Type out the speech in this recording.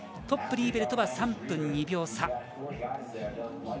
トップのリーベルとは３分２秒差。